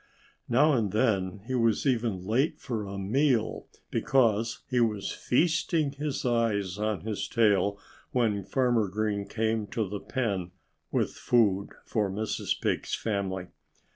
Now and then he was even late for a meal, because he was feasting his eyes on his tail when Farmer Green came to the pen with food for Mrs. Pig's family.